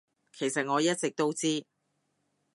其實我一直都知